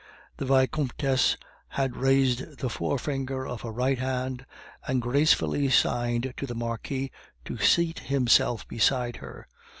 The Vicomtesse had raised the forefinger of her right hand, and gracefully signed to the Marquis to seat himself beside her.